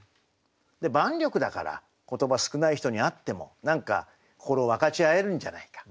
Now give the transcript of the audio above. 万緑だから言葉少ない人に会っても何か心を分かち合えるんじゃないか。